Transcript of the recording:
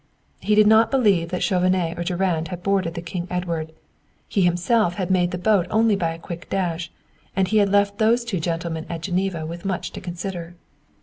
He did not believe that Chauvenet or Durand had boarded the King Edward. He himself had made the boat only by a quick dash, and he had left those two gentlemen at Geneva with much to consider.